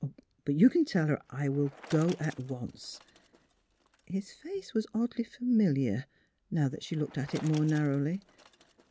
But you can tell her I will go at once." His face was oddly familiar, now that she looked at it more narrowly.